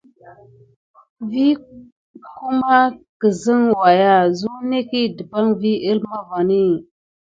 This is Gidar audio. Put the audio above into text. Kuma tisine gəda waya ho na wuzlera metikine diy kisok kegayata vi nadesiti.